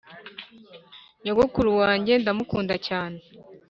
nyogokuru wanjye ndamukunda cyane